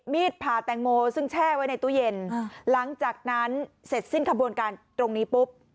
ผ่าแตงโมซึ่งแช่ไว้ในตู้เย็นหลังจากนั้นเสร็จสิ้นขบวนการตรงนี้ปุ๊บ